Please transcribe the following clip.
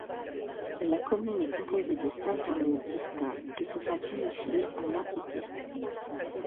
La commune est composée de cinq hameaux distincts qui se sont unifiés en entité.